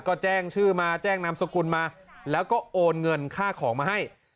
ก็แจ้งชื่อมาแจ้งนามสกุลมาแล้วก็โอนเงินค่าของมาให้